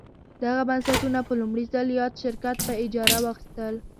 دغه بنسټونه په لومړي ځل یاد شرکت په اجاره واخیستل.